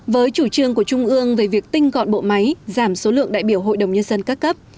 với chủ trương của trung ương về việc tinh gọn bộ máy giảm số lượng đại biểu hội đồng nhân dân các cấp